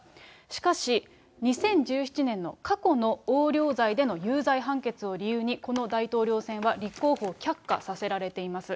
しかし、２０１７年の過去の横領罪での有罪判決を理由に、この大統領選は立候補を却下させられています。